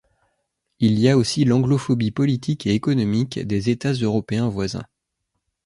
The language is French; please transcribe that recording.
Il y a aussi l'anglophobie politique et économique des états européens voisins.